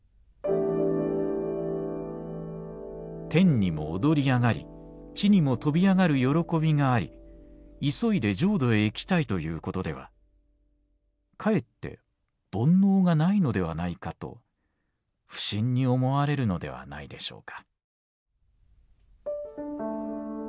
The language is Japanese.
「天にも躍り上がり地にも跳び上がる喜びがあり急いで浄土へ行きたいということではかえって煩悩がないのではないかと不審に思われるのではないでしょうか」。